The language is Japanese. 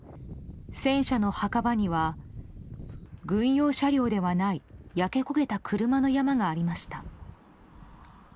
戦車の墓場には軍用車両ではない焼け焦げた車の山がありました。